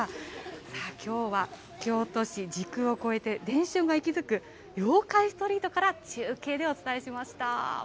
さあ、きょうは京都市、時空を超えて、が息づく妖怪ストリートから中継でお伝えしました。